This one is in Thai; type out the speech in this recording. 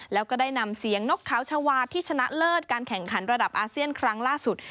แล้วก็ได้นำเสียงนกขาวชาวาที่ชนะเลิศการแข่งขันระดับอาเซียนครั้งล่าสุด